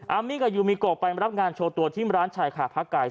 มี่กับยูมิโกไปรับงานโชว์ตัวที่ร้านชายขาพระไก่